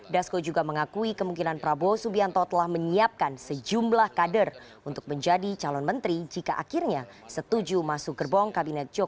dasko juga mengakui kemungkinan prabowo subianto telah menyiapkan sejumlah kader untuk menjadi calon menteri jika akhirnya setuju masuk gerbong kabinet jokowi